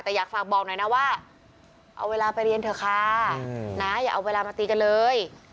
แต่อยากฝากบอกหน่อยนะว่าเอาเวลาไปเรียนเถอะค่ะนะอย่าเอาเวลามาตีกันเลย